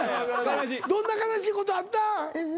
どんな悲しいことあったん？